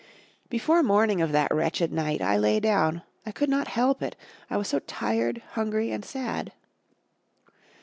Before morning of that wretched night I lay down; I could not help it, I was so tired, hungry and sad.